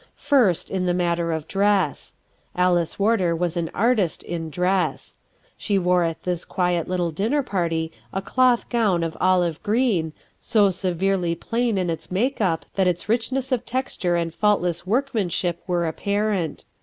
First, in the matter of dress. Alice Warder was an artist in dress. She wore at this quiet little dinner party a cloth gown of olive green, so severely plain in its make up that its richness of texture and faultless work manship were apparent.